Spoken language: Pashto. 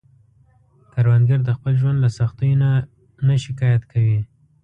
کروندګر د خپل ژوند له سختیو نه نه شکايت کوي